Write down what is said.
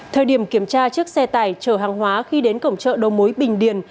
thời điểm kiểm tra chiếc xe tải chở hàng hóa khi đến cổng chợ đầu mối bình điền